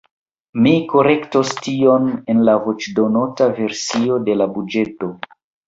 Mi korektos tion en la voĉdonota versio de la buĝeto.